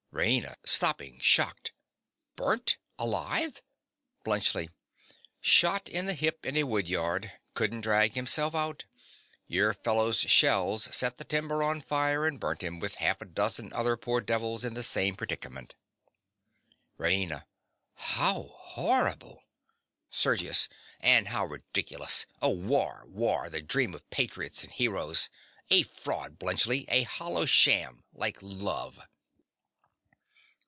RAINA. (stopping, shocked). Burnt alive! BLUNTSCHLI. Shot in the hip in a wood yard. Couldn't drag himself out. Your fellows' shells set the timber on fire and burnt him, with half a dozen other poor devils in the same predicament. RAINA. How horrible! SERGIUS. And how ridiculous! Oh, war! war! the dream of patriots and heroes! A fraud, Bluntschli, a hollow sham, like love.